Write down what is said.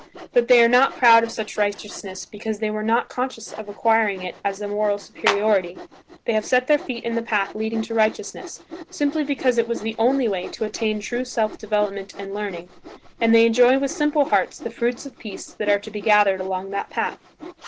But they are not proud of such righteousness because they were not conscious of acquiring it as a moral superiority. They have set their feet in the path leading to righteousness, simply because it was the only way to attain true self development and learning; and they enjoy with simple hearts the fruits of peace that are to be gathered along that path.